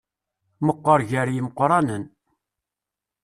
Meqqer gar yimeqqranen.